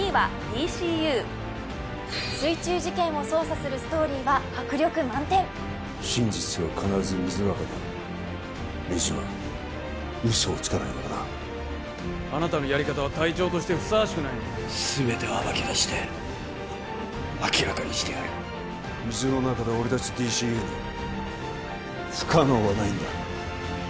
水中事件を捜査するストーリーは迫力満点真実は必ず水の中にある水はウソをつかないからなあなたのやり方は隊長としてふさわしくない全てを暴き出して明らかにしてやる水の中で俺達ＤＣＵに不可能はないんだ